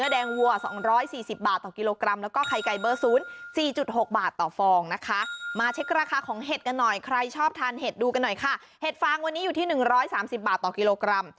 ดูกันหน่อยค่ะเห็ดฟ้างวันนี้อยู่ที่๑๓๐บาทต่อกิโลกรัม